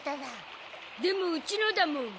でもウチのだもん。